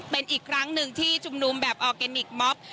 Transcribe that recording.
เป็นอีกครั้งหนึ่งที่ชุมนุมแบบออร์แกนิคม็อบ